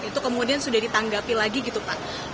itu kemudian sudah ditanggapi lagi gitu pak